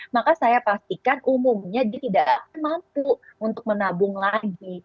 maka saya pastikan umumnya dia tidak mampu untuk menabung lagi